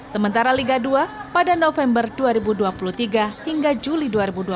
sementara liga dua pada november dua ribu dua puluh tiga hingga juli dua ribu dua puluh